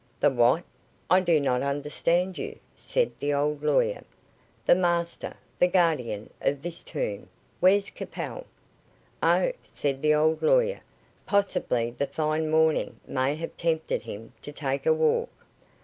"The what? I do not understand you," said the old lawyer. "The master the guardian of this tomb. Where's Capel?" "Oh," said the old lawyer. "Possibly the fine morning may have tempted him to take a walk."